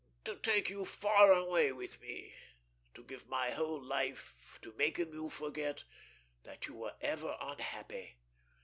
"To take you far away with me. To give my whole life to making you forget that you were ever unhappy."